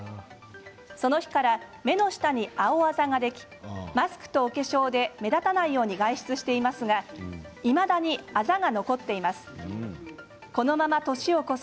その日から目の下に青あざができマスクとお化粧で目立たないよう外出していますがいまだにあざが残っています。